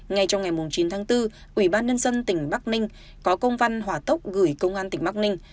ngay trong ngày chín tháng bốn ủy ban nhân dân tỉnh bắc ninh có công văn hỏa tốc gửi công an tỉnh bắc ninh